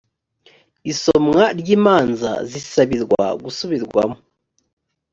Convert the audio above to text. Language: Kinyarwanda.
isomwa ry’imanza zisabirwa gusubirwamo